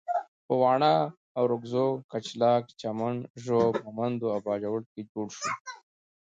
په واڼه، ارکزو، کچلاک، چمن، ږوب، مومندو او باجوړ کې جوړ شول.